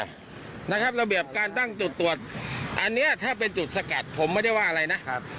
ระเบียบการตั้งจุดตรวจอันนี้ถ้าเป็นจุดสกัดผมไม่ได้ว่าอะไรนะครับ